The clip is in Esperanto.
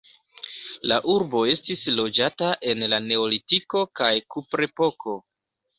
La urbo estis loĝata en la neolitiko kaj kuprepoko.